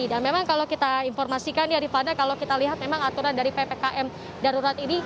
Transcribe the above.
dan memang kalau kita informasikan rifana kalau kita lihat memang aturan dari ppkm darurat ini